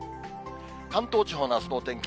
関東地方のあすのお天気。